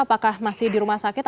apakah masih di rumah sakit